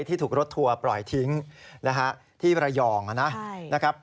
ที่ถูกรถทัวร์ปล่อยทิ้งนะฮะที่ระยองนะครับ